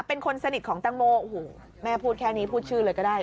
เป็นคนสนิทของตังโมโอ้โหแม่พูดแค่นี้พูดชื่อเลยก็ได้